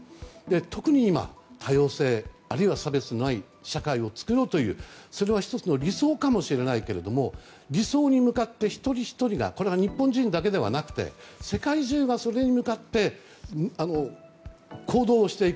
特に今、多様性あるいは差別のない社会を作ろうという、それは１つの理想かもしれないけれども理想に向かって一人ひとりがこれは日本人だけではなくて世界中がそれに向かって行動をしていく。